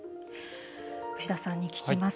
牛田さんに聞きます。